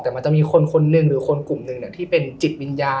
แต่มันจะมีคนคนหนึ่งหรือคนกลุ่มหนึ่งที่เป็นจิตวิญญาณ